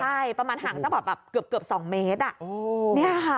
ใช่ประมาณห่างสักแบบเกือบ๒เมตร